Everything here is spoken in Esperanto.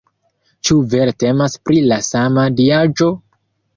Ĉu vere temas pri la sama diaĵo?